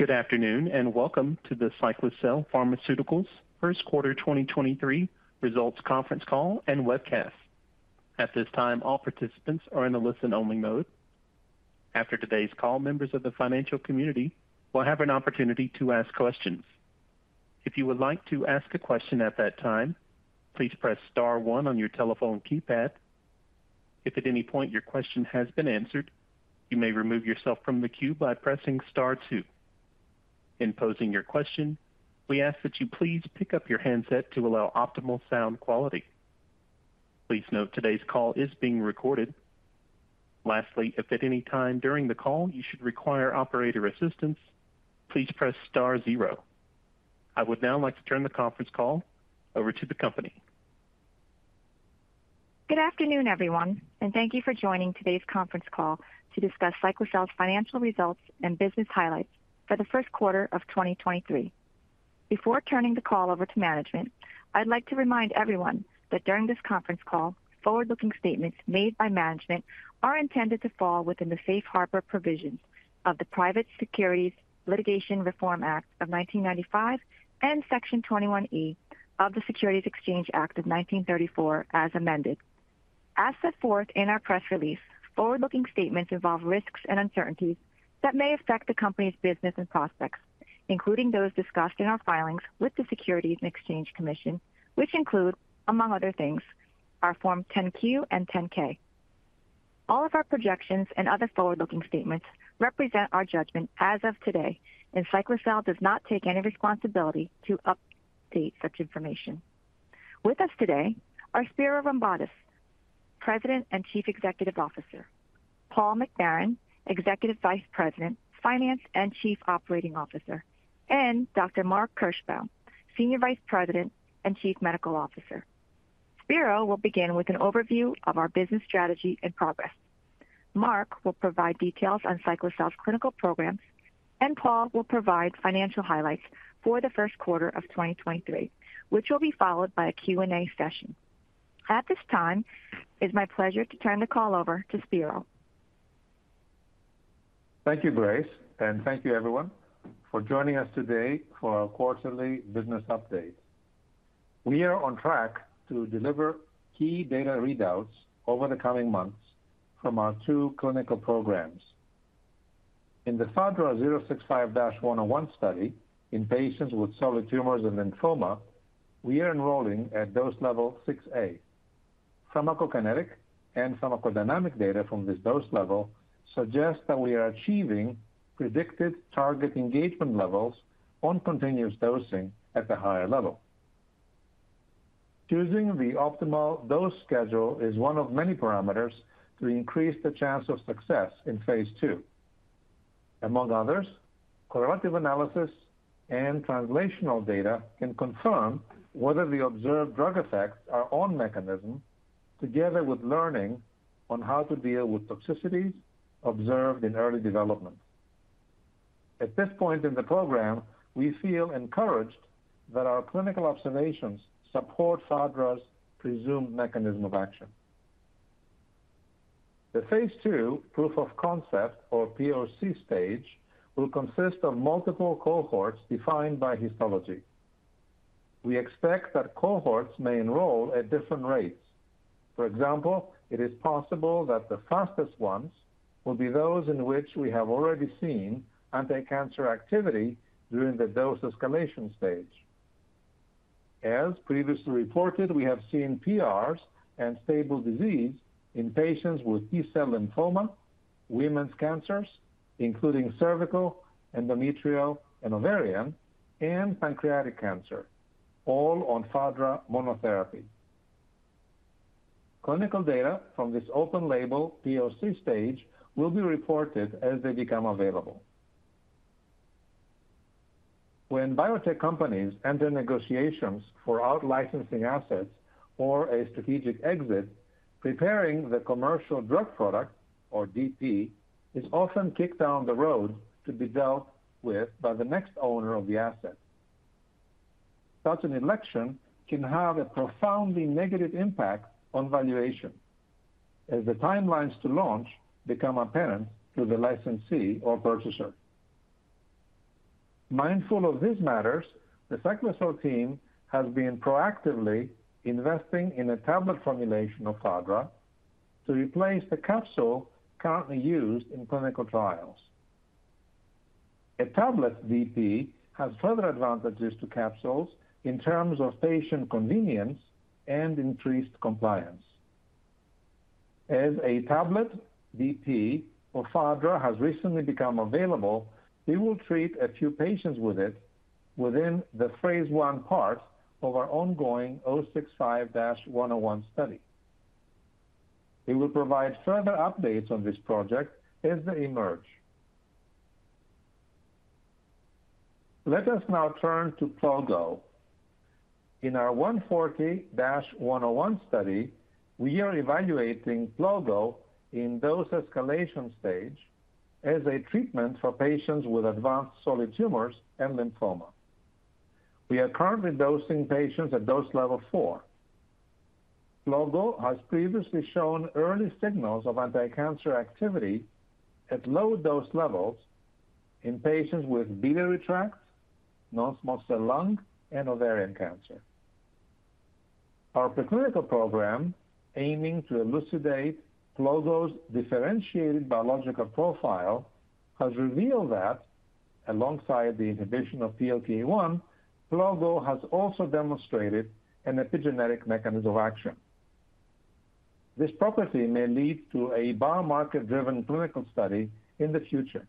Good afternoon, welcome to the Cyclacel Pharmaceuticals First Quarter 2023 Results Conference Call and Webcast. At this time, all participants are in a listen-only mode. After today's call, members of the financial community will have an opportunity to ask questions. If you would like to ask a question at that time, please press star one on your telephone keypad. If at any point your question has been answered, you may remove yourself from the queue by pressing star two. In posing your question, we ask that you please pick up your handset to allow optimal sound quality. Please note today's call is being recorded. Lastly, if at any time during the call you should require operator assistance, please press star zero. I would now like to turn the conference call over to the company. Good afternoon, everyone, and thank you for joining today's conference call to discuss Cyclacel's financial results and business highlights for the first quarter of 2023. Before turning the call over to management, I'd like to remind everyone that during this conference call, forward-looking statements made by management are intended to fall within the Safe Harbor provisions of the Private Securities Litigation Reform Act of 1995 and Section 21 E of the Securities Exchange Act of 1934 as amended. As set forth in our press release, forward-looking statements involve risks and uncertainties that may affect the company's business and prospects, including those discussed in our filings with the Securities and Exchange Commission, which include, among other things, our Form 10-Q and 10-K. All of our projections and other forward-looking statements represent our judgment as of today. Cyclacel does not take any responsibility to update such information. With us today are Spiro Rombotis, President and Chief Executive Officer, Paul McBarron, Executive Vice President, Finance and Chief Operating Officer, and Dr. Mark Kirschbaum, Senior Vice President and Chief Medical Officer. Spiro will begin with an overview of our business strategy and progress. Mark will provide details on Cyclacel's clinical programs. Paul will provide financial highlights for the first quarter of 2023, which will be followed by a Q&A session. At this time, it's my pleasure to turn the call over to Spiro. Thank you, Grace, and thank you everyone for joining us today for our quarterly business update. We are on track to deliver key data readouts over the coming months from our two clinical programs. In the Fadra-065-101 Study in patients with solid tumors and lymphoma, we are enrolling at dose level 6A. Pharmacokinetic and pharmacodynamic data from this dose level suggests that we are achieving predicted target engagement levels on continuous dosing at the higher level. Choosing the optimal dose schedule is one of many parameters to increase the chance of success in phase II. Among others, correlative analysis and translational data can confirm whether the observed drug effects are on mechanism together with learning on how to deal with toxicities observed in early development. At this point in the program, we feel encouraged that our clinical observations support Fadra's presumed mechanism of action. The phase two proof of concept or POC stage will consist of multiple cohorts defined by histology. We expect that cohorts may enroll at different rates. For example, it is possible that the fastest ones will be those in which we have already seen anticancer activity during the dose escalation stage. As previously reported, we have seen PRs and stable disease in patients with T-cell lymphoma, women's cancers, including cervical, endometrial, and ovarian, and pancreatic cancer, all on Fadra monotherapy. Clinical data from this open label POC stage will be reported as they become available. When biotech companies enter negotiations for out-licensing assets or a strategic exit, preparing the commercial drug product or DP is often kicked down the road to be dealt with by the next owner of the asset. Such an election can have a profoundly negative impact on valuation as the timelines to launch become apparent to the licensee or purchaser. Mindful of these matters, the Cyclacel team has been proactively investing in a tablet formulation of Fadra to replace the capsule currently used in clinical trials. A tablet DP has further advantages to capsules in terms of patient convenience and increased compliance. As a tablet DP for Fadra has recently become available, we will treat a few patients with it within the phase I part of our ongoing 065-101 Study. We will provide further updates on this project as they emerge. Let us now turn to PLOGO. In our 140-101 Study, we are evaluating PLOGO in dose escalation stage as a treatment for patients with advanced solid tumors and lymphoma. We are currently dosing patients at dose Level 4. plogo has previously shown early signals of anticancer activity at low dose levels in patients with biliary tract, non-small cell lung, and ovarian cancer. Our preclinical program aiming to elucidate PLOGO differentiated biological profile has revealed that alongside the inhibition of PLK1, PLOGO has also demonstrated an epigenetic mechanism of action. This property may lead to a biomarker-driven clinical Study in the future.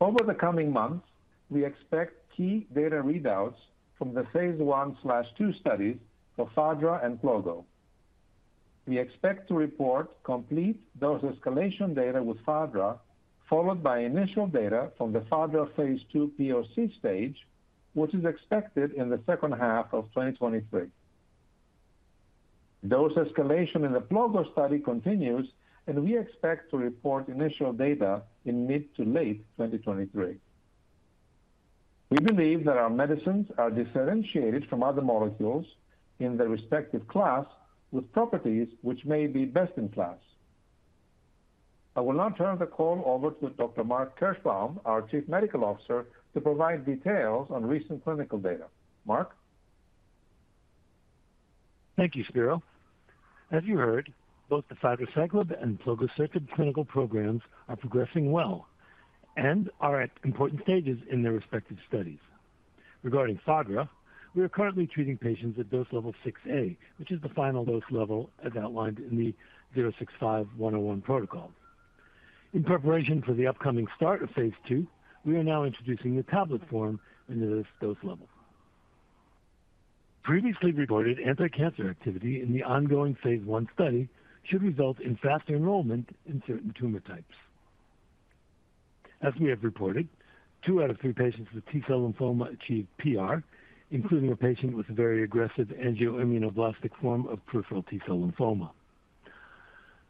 Over the coming months, we expect key data readouts from the phase I/2 studies for Fadra and PLOGO. We expect to report complete dose escalation data with Fadra, followed by initial data from the Fadra phase II POC stage, which is expected in the second half of 2023. Dose escalation in the PLOGO Study continues, and we expect to report initial data in mid to late 2023. We believe that our medicines are differentiated from other molecules in their respective class with properties which may be best in class. I will now turn the call over to Dr. Mark Kirschbaum, our Chief Medical Officer, to provide details on recent clinical data. Mark? Thank you, Spiro. As you heard, both the Fadraciclib and Plogosertib clinical programs are progressing well and are at important stages in their respective studies. Regarding Fadra, we are currently treating patients at dose level 6A, which is the final dose level as outlined in the 065-101 protocol. In preparation for the upcoming start of phase II, we are now introducing the tablet form into this dose level. Previously reported anticancer activity in the ongoing phase I Study should result in faster enrollment in certain tumor types. As we have reported, two out of three patients with T-cell lymphoma achieved PR, including a patient with a very aggressive angioimmunoblastic form of peripheral T-cell lymphoma.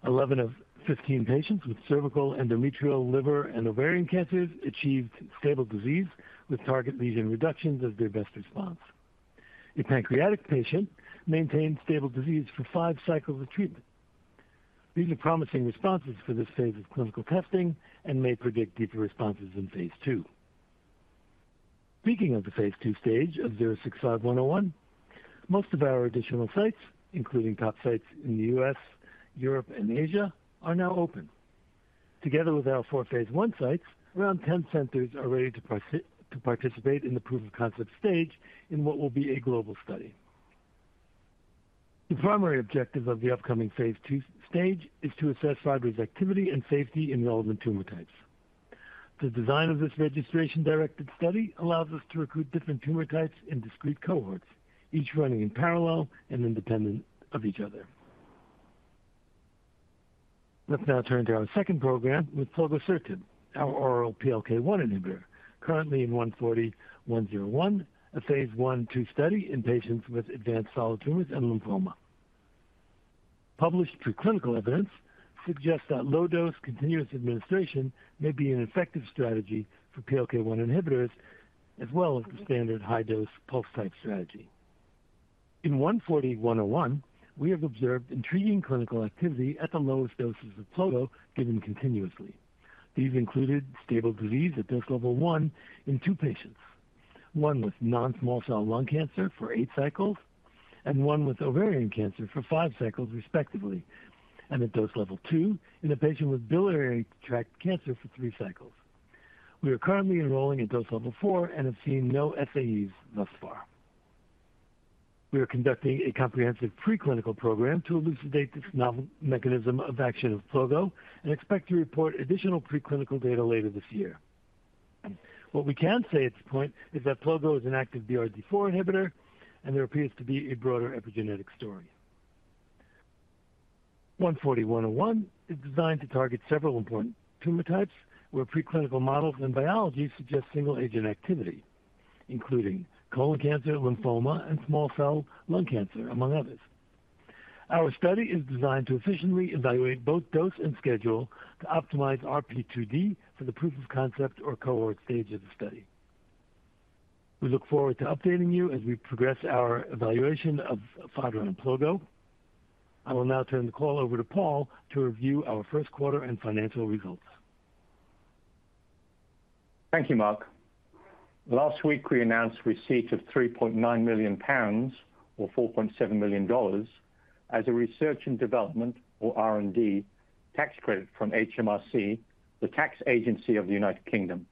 11 of 15 patients with cervical, endometrial, liver, and ovarian cancers achieved stable disease with target lesion reductions as their best response. A pancreatic patient maintained stable disease for five cycles of treatment. These are promising responses for this phase of clinical testing and may predict deeper responses in phase II. Speaking of the phase II stage of 065-101, most of our additional sites, including top sites in the U.S., Europe, and Asia, are now open. Together with our four phase I sites, around 10 centers are ready to participate in the proof of concept stage in what will be a global Study. The primary objective of the upcoming phase II stage is to assess Fadra's activity and safety in relevant tumor types. The design of this registration-directed Study allows us to recruit different tumor types in discrete cohorts, each running in parallel and independent of each other. Let's now turn to our second program with Plogosertib, our oral PLK1 inhibitor, currently in 140-101, a phase I/2 Study in patients with advanced solid tumors and lymphoma. Published preclinical evidence suggests that low dose continuous administration may be an effective strategy for PLK1 inhibitors as well as the standard high-dose pulse type strategy. In 140-101, we have observed intriguing clinical activity at the lowest doses of PLOGO given continuously. These included stable disease at dose level 1 in 2 patients, 1 with non-small cell lung cancer for 8 cycles and 1 with ovarian cancer for 5 cycles, respectively. At dose level 2 in a patient with biliary tract cancer for 3 cycles. We are currently enrolling at dose Level 4 and have seen no SAEs thus far. We are conducting a comprehensive pre-clinical program to elucidate this novel mechanism of action of PLOGO and expect to report additional pre-clinical data later this year. What we can say at this point is that PLOGO is an active BRD4 inhibitor, and there appears to be a broader epigenetic story. 140-101 is designed to target several important tumor types where pre-clinical models and biology suggest single agent activity, including colon cancer, lymphoma, and small cell lung cancer, among others. Our Study is designed to efficiently evaluate both dose and schedule to optimize RP2D for the proof of concept or cohort stage of the Study. We look forward to updating you as we progress our evaluation of Fadra and PLOGO. I will now turn the call over to Paul to review our first quarter and financial results. Thank you, Mark. Last week, we announced receipt of 3.9 million pounds or $4.7 million as a research and development or R&D tax credit from HMRC, the tax agency of the United Kingdom.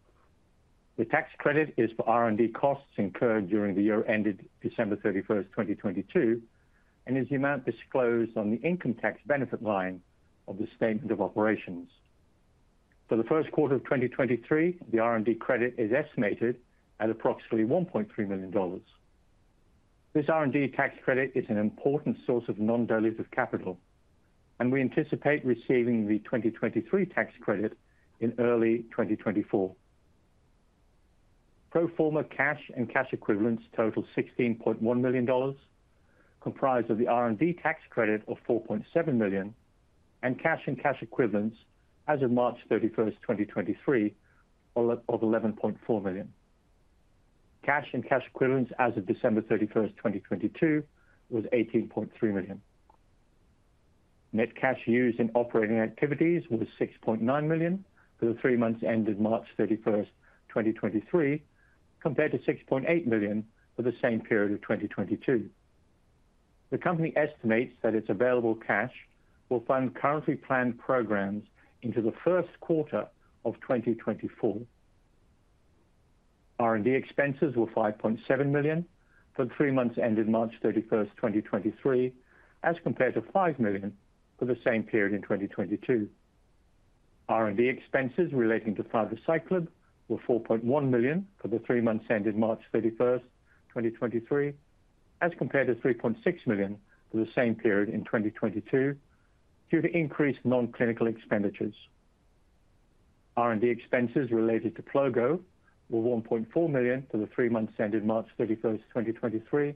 The tax credit is for R&D costs incurred during the year ended December 31st, 2022, and is the amount disclosed on the income tax benefit line of the statement of operations. For the first quarter of 2023, the R&D credit is estimated at approximately $1.3 million. This R&D tax credit is an important source of non-dilutive capital, and we anticipate receiving the 2023 tax credit in early 2024. Pro forma cash and cash equivalents total $16.1 million, comprised of the R&D tax credit of $4.7 million and cash and cash equivalents as of March 31st, 2023 of $11.4 million. Cash and cash equivalents as of December 31st, 2022 was $18.3 million. Net cash used in operating activities was $6.9 million for the 3 months ended March 31st, 2023, compared to $6.8 million for the same period of 2022. The company estimates that its available cash will fund currently planned programs into the first quarter of 2024. R&D expenses were $5.7 million for the three months ended March 31st, 2023, as compared to $5 million for the same period in 2022. R&D expenses relating to Fadraciclib were $4.1 million for the 3 months ended March 31, 2023, as compared to $3.6 million for the same period in 2022 due to increased non-clinical expenditures. R&D expenses related to Plogosertib were $1.4 million for the three months ended March 31, 2023,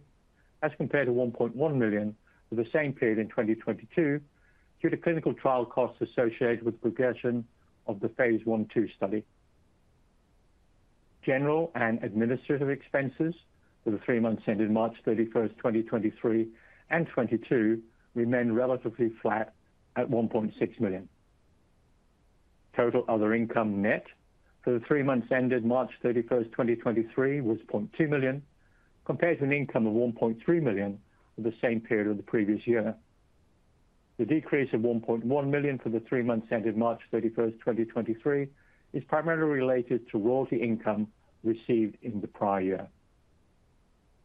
as compared to $1.1 million for the same period in 2022 due to clinical trial costs associated with progression of the phase I/II Study. General and administrative expenses for the three months ended March 31, 2023 and 2022 remained relatively flat at $1.6 million. Total other income net for the three months ended March 31, 2023 was $0.2 million, compared to an income of $1.3 million for the same period of the previous year. The decrease of $1.1 million for the three months ended March 31st, 2023, is primarily related to royalty income received in the prior year.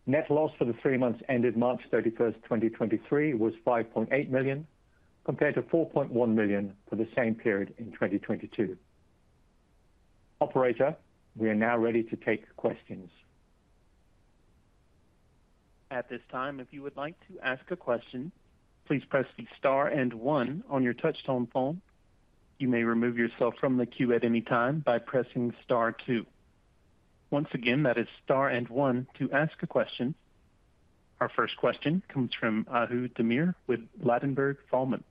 Net loss for the three months ended March 31st, 2023, was $5.8 million, compared to $4.1 million for the same period in 2022. Operator, we are now ready to take questions. At this time, if you would like to ask a question, please press the star and one on your touchtone phone. You may remove yourself from the queue at any time by pressing star two. Once again, that is star and one to ask a question. Our first question comes from Ahu Demir with Ladenburg Thalmann.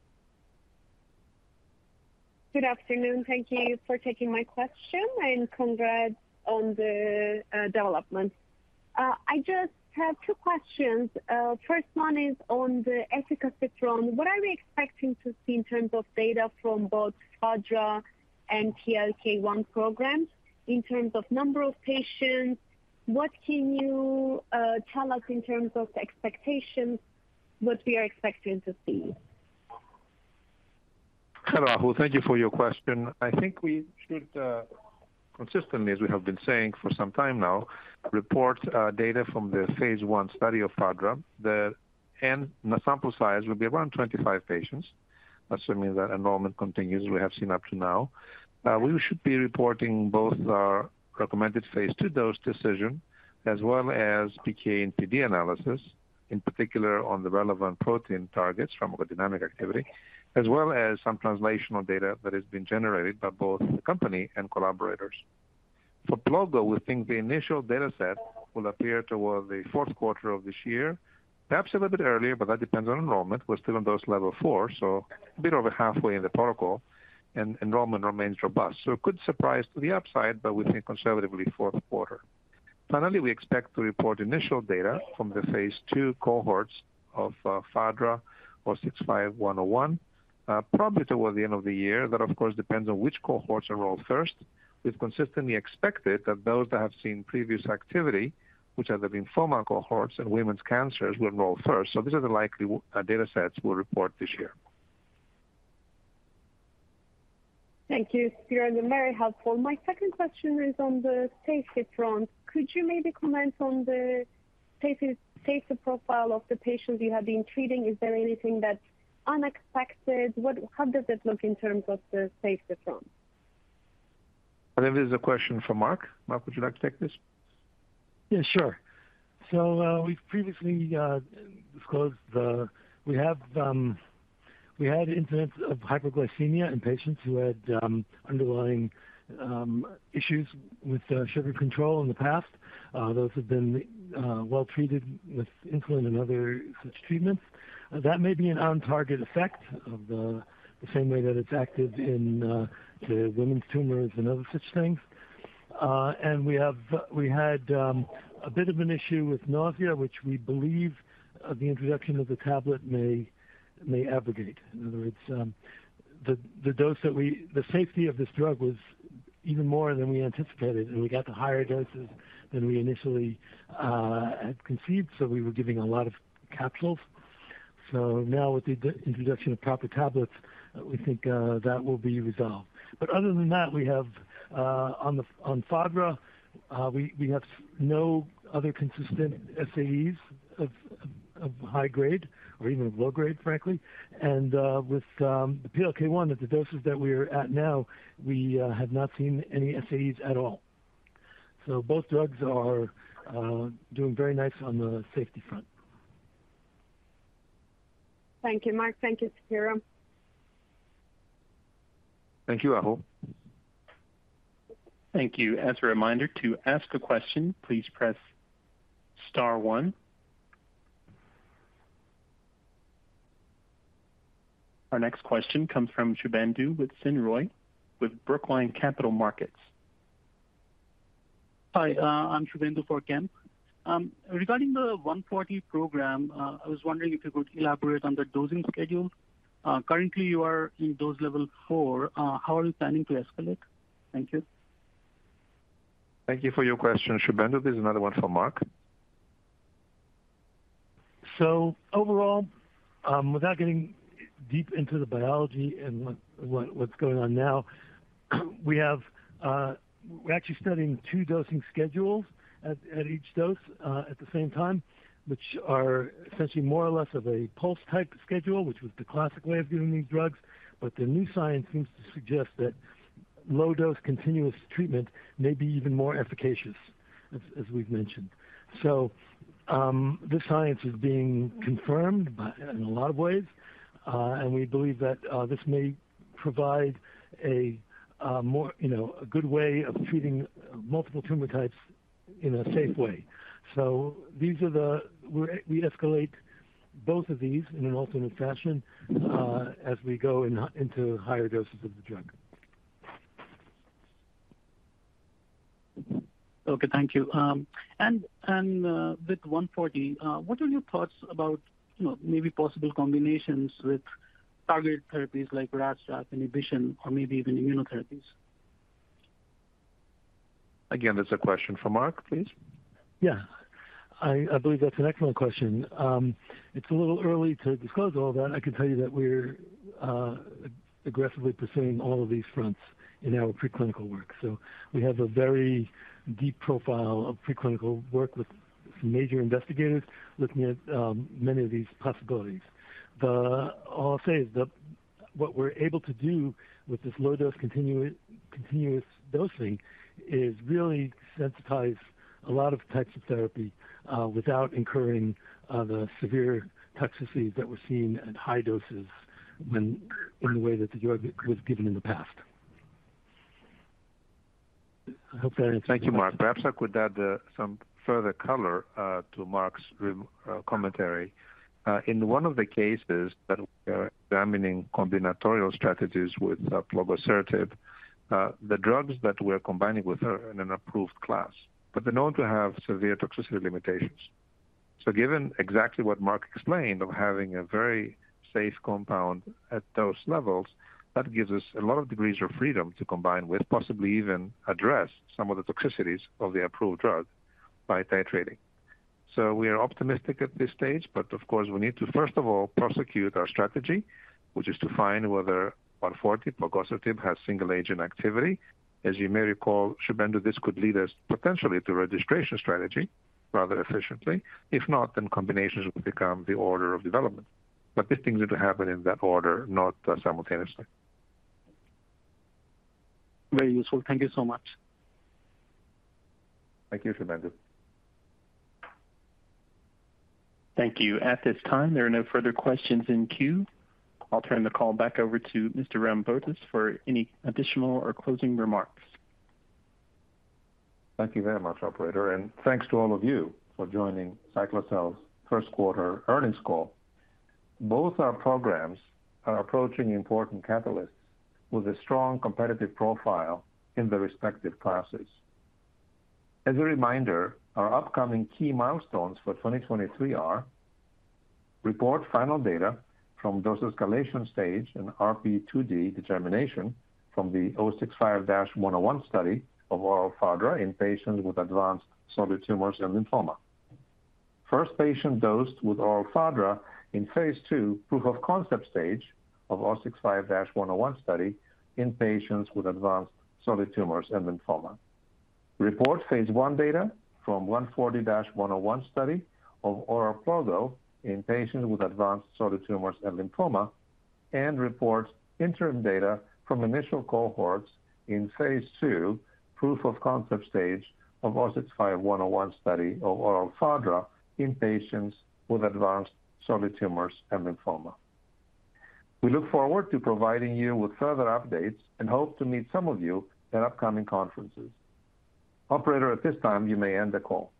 Good afternoon. Thank you for taking my question and congrats on the development. I just have two questions. First one is on the efficacy front. What are we expecting to see in terms of data from both Fadra and PLK1 programs in terms of number of patients? What can you tell us in terms of expectations, what we are expecting to see? Hello, Ahu. Thank you for your question. I think we should, consistently, as we have been saying for some time now, report, data from the phase I Study of Fadra. The sample size will be around 25 patients, assuming that enrollment continues we have seen up to now. We should be reporting both our Recommended phase II Dose decision as well as PK and PD analysis, in particular on the relevant protein targets from our dynamic activity, as well as some translational data that has been generated by both the company and collaborators. For PLOGO, we think the initial data set will appear towards the fourth quarter of this year, perhaps a little bit earlier, but that depends on enrollment. We're still on dose Level 4, so a bit over halfway in the protocol and enrollment remains robust. Could surprise to the upside, but we think conservatively fourth quarter. Finally, we expect to report initial data from the phase II cohorts of Fadra or 065-101, probably towards the end of the year. That, of course, depends on which cohorts enroll first. We've consistently expected that those that have seen previous activity, which are the lymphoma cohorts and women's cancers, will enroll first. These are the likely data sets we'll report this year. Thank you, Spiro. You're very helpful. My second question is on the safety front. Could you maybe comment on the safety profile of the patients you have been treating? Is there anything that's unexpected? How does it look in terms of the safety front? I think this is a question for Mark. Mark, would you like to take this? Yeah, sure. We've previously disclosed we had incidents of hypoglycemia in patients who had underlying issues with sugar control in the past. Those have been well treated with insulin and other such treatments. That may be an on-target effect of the same way that it's active in the women's tumors and other such things. We had a bit of an issue with nausea, which we believe the introduction of the tablet may abrogate. In other words, the safety of this drug was even more than we anticipated, and we got to higher doses than we initially had conceived. We were giving a lot of capsules. Now with the introduction of proper tablets, we think that will be resolved. Other than that, we have on Fadra, we have no other consistent SAEs of high grade or even low grade, frankly. With the PLK1 at the doses that we are at now, we have not seen any SAEs at all. Both drugs are doing very nice on the safety front. Thank you, Mark. Thank you, Spiro. Thank you, Ahu. Thank you. As a reminder, to ask a question, please press star one. Our next question comes from Shubhendu Sen Roy with Brookline Capital Markets. Hi, I'm Shubendu Sen Roy. Regarding the 140 program, I was wondering if you could elaborate on the dosing schedule. Currently, you are in dose Level 4. How are you planning to escalate? Thank you. Thank you for your question, Shubendu. This is another one for Mark. Overall, without getting deep into the biology and what's going on now, we're actually Studying two dosing schedules at each dose at the same time, which are essentially more or less of a pulse type schedule, which was the classic way of doing these drugs. The new science seems to suggest that low dose continuous treatment may be even more efficacious as we've mentioned. This science is being confirmed by in a lot of ways, and we believe that this may provide a more, you know, a good way of treating multiple tumor types in a safe way. We escalate both of these in an alternate fashion as we go into higher doses of the drug. Okay, thank you. With 140, what are your thoughts about maybe possible combinations with targeted therapies like RAS/RAF inhibition or maybe even immunotherapies? Again, that's a question for Mark, please. Yeah. I believe that's an excellent question. It's a little early to discuss all that. I can tell you that we're aggressively pursuing all of these fronts in our preclinical work. We have a very deep profile of preclinical work with some major investigators looking at many of these possibilities. All I'll say is that what we're able to do with this low dose continuous dosing is really sensitize a lot of types of therapy without incurring the severe toxicities that were seen at high doses when the way that the drug was given in the past. I hope that answers your question. Thank you, Mark. Perhaps I could add some further color to Mark's commentary. In one of the cases that we're examining combinatorial strategies with Plogosertib, the drugs that we're combining with are in an approved class, but they're known to have severe toxicity limitations. Given exactly what Mark explained of having a very safe compound at those levels, that gives us a lot of degrees of freedom to combine with, possibly even address some of the toxicities of the approved drug by titrating. We are optimistic at this stage, but of course, we need to, first of all, prosecute our strategy, which is to find whether 140 Plogosertib has single agent activity. As you may recall, Shubendu, this could lead us potentially to registration strategy rather efficiently. If not, combinations will become the order of development. these things need to happen in that order, not, simultaneously. Very useful. Thank you so much. Thank you, Shubendu. Thank you. At this time, there are no further questions in queue. I'll turn the call back over to Mr. Rombotis for any additional or closing remarks. Thank you very much, operator. Thanks to all of you for joining Cyclacel's First Quarter earnings call. Both our programs are approaching important catalysts with a strong competitive profile in their respective classes. As a reminder, our upcoming key milestones for 2023 are: report final data from dose escalation stage and RP2D determination from the 065-101 Study of oral Fadra in patients with advanced solid tumors and lymphoma. First patient dosed with oral Fadra in phase II proof of concept stage of 065-101 Study in patients with advanced solid tumors and lymphoma. Report phase I data from 140-101 Study of oral PLOGO in patients with advanced solid tumors and lymphoma. Report interim data from initial cohorts in phase II proof of concept stage of 065-101 Study of oral Fadra in patients with advanced solid tumors and lymphoma. We look forward to providing you with further updates and hope to meet some of you in upcoming conferences. Operator, at this time, you may end the call.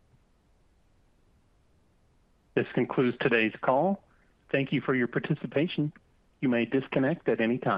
This concludes today's call. Thank you for your participation. You may disconnect at any time.